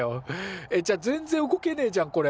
えっじゃあ全然動けねえじゃんこれ。